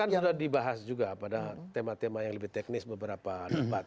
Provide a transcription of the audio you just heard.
kan sudah dibahas juga pada tema tema yang lebih teknis beberapa debat